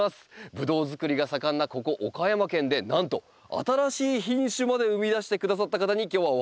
ブドウづくりが盛んなここ岡山県でなんと新しい品種まで生み出してくださった方に今日はお話を伺っていきます。